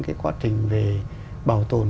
cái quá trình về bảo tồn